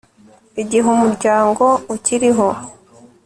igihe umuryango ukiriho